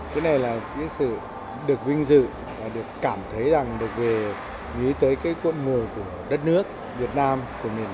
cái này là cái sự được vinh dự được cảm thấy rằng được nghĩ tới cái mùa của đất nước việt nam của mình